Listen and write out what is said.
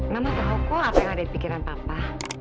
mama tahu kok apa yang ada di pikiran papa